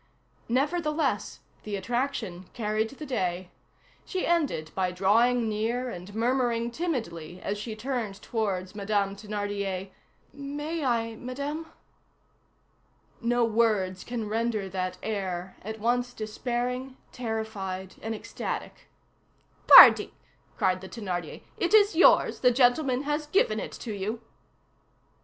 Nevertheless, the attraction carried the day. She ended by drawing near and murmuring timidly as she turned towards Madame Thénardier:— "May I, Madame?" No words can render that air, at once despairing, terrified, and ecstatic. "Pardi!" cried the Thénardier, "it is yours. The gentleman has given it to you."